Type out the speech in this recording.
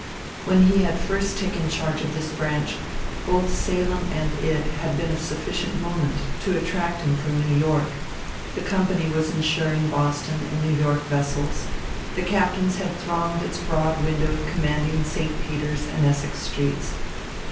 When he had first taken charge of this branch both Salem and it had been of sufficient moment to attract him from New York; the company was insuring Boston and New York vessels; the captains had thronged its broad window commanding St. Peters and Essex Streets.